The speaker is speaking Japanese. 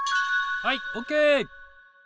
はいオーケー。